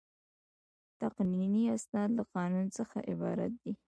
تقنیني اسناد له قانون څخه عبارت دي.